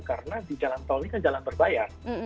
karena di jalan tol ini kan jalan berbayar